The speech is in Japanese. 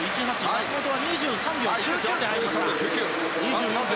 松元は２３秒９９で入りました。